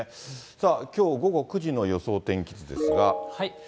さあ、きょう午後９時の予想天気